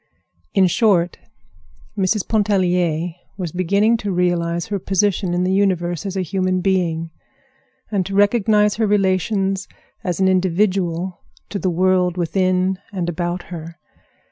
In short, Mrs. Pontellier was beginning to realize her position in the universe as a human being, and to recognize her relations as an individual to the world within and about her.